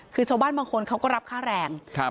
คือชาวบ้านบางคนเขาก็รับค่าแรง